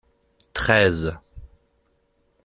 treize